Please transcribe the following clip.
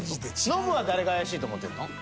ノブは誰が怪しいと思ってんの？